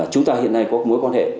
chúng ta hiện nay có mối quan hệ